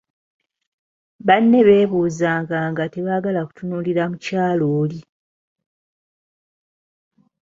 Banne beebuzabuzanga nga tebaagala kutunuulira mukyala oli.